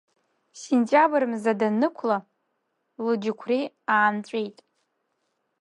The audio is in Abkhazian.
Сентиабр мза даннықәла, лыџьқәреи аанҵәеит.